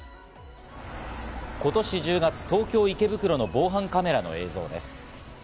今年１０月、東京・池袋の防犯カメラの映像です。